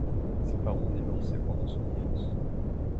Ses parents ont divorcé pendant son enfance.